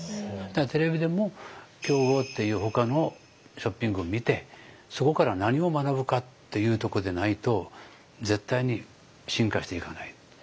だからテレビでも競合っていうほかのショッピングを見てそこから何を学ぶかっていうとこでないと絶対に進化していかない。